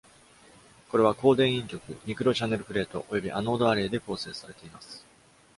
これは、光電陰極、ミクロチャネルプレート及びアノードアレイで構成されています。